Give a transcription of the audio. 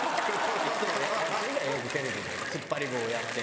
いつもやってんじゃんよくテレビで突っ張り棒やってとか。